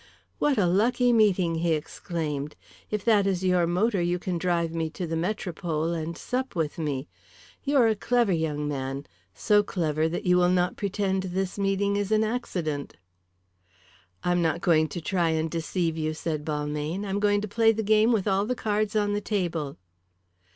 "What a lucky meeting," he exclaimed. "If that is your motor you can drive me to the Metropole and sup with me. You are a clever young man, so clever that you will not pretend this meeting is an accident." "I'm not going to try and deceive you," said Balmayne. "I'm going to play the game with all the cards on the table."